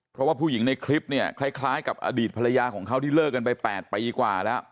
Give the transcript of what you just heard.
เพราะว่าผู้หญิงในคลิปเนี่ยคล้ายกับอดีตภรรยาของเขาที่เลิกกันไป๘ปีกว่าแล้ว